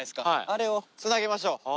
あれをつなげましょう。